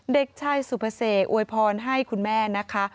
เด็กชายสุภเสกอวยพรให้คุณแม่นะคะ